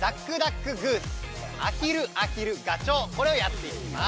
今日はこれをやっていきます！